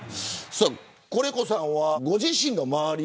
コレコさんはご自身の周り